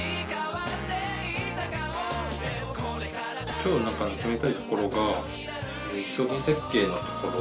今日つめたいところが商品設計のところ。